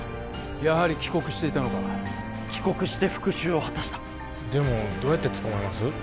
やはり帰国していたのか帰国して復讐を果たしたでもどうやってつかまえます？